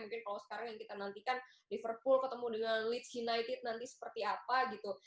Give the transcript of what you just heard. mungkin kalau sekarang yang kita nantikan liverpool ketemu dengan leads united nanti seperti apa gitu